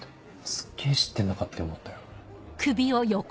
すげぇ知ってんのかって思ったよ。